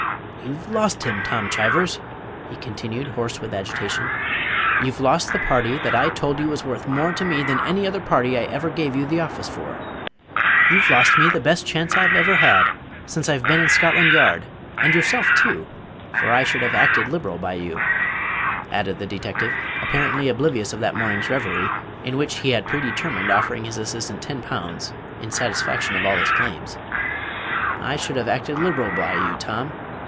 "You've lost him, Tom Chivers!" he continued, hoarse with agitation. "You've lost the party that I told you was worth more to me than any other party I ever gave you the office for. You've lost me the best chance I've ever had since I've been in Scotland Yard, and yourself too; for I should have acted liberal by you," added the detective, apparently oblivious of that morning's reverie, in which he had predetermined offering his assistant ten pounds, in satisfaction of all his claims "I should have acted liberal by you, Tom.